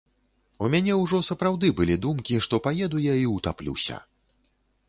У мяне ўжо сапраўды былі думкі, што паеду я і ўтаплюся.